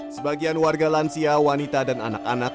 sebagian warga lansia wanita dan anak anak